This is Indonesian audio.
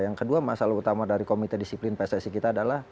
yang kedua masalah utama dari komite disiplin pssi kita adalah